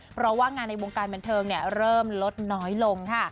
เพราะว่างานในวงการบันเทิงเริ่มลดน้อยลงค่ะ